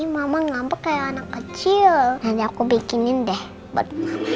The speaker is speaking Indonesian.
mama ngambek kayak anak kecil